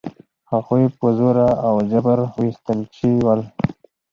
هغوی په زور او جبر ویستل شوي ول.